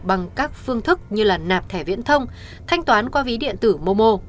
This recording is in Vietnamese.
bằng các phương thức như nạp thẻ viễn thông thanh toán qua ví điện tử momo